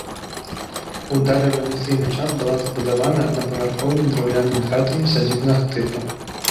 У дарэвалюцыйны час была забудаваная аднапавярховымі драўлянымі хатамі сядзібнага тыпу.